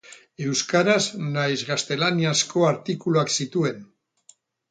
Euskaraz nahiz gaztelaniazko artikuluak zituen.